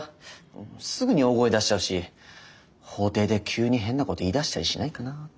すぐに大声出しちゃうし法廷で急に変なこと言いだしたりしないかなって。